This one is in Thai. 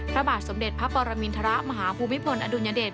พระบาทสมเด็จพระปรมินทรมาฮภูมิพลอดุลยเดช